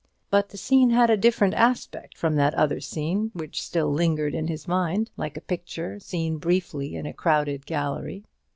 But the scene had a different aspect from that other scene, which still lingered in his mind, like a picture seen briefly in a crowded gallery.